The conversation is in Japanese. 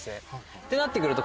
ってなって来ると